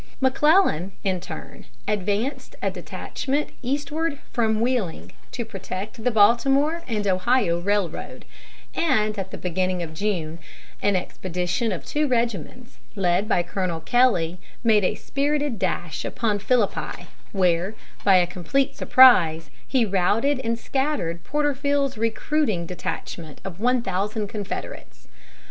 McClellan, in turn, advanced a detachment eastward from Wheeling, to protect the Baltimore and Ohio railroad; and at the beginning of June, an expedition of two regiments, led by Colonel Kelly, made a spirited dash upon Philippi, where, by a complete surprise, he routed and scattered Porterfield's recruiting detachment of one thousand Confederates.